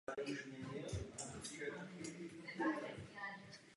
Gustáv Husák byl zvolen osmým československým prezidentem.